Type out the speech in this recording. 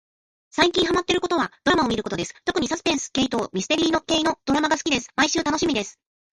さいきんはまってることはどらまをみることですとくにさすぺんすけいとみすてりーけいのどらまがすきですまいしゅうたのしみです